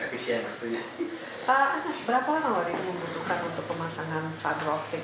pak anas berapa lama wadih membutuhkan untuk pemasangan fiber optic